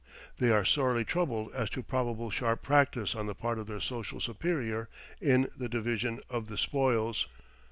They are sorely troubled as to probable sharp practice on the part of their social superior in the division of the spoils.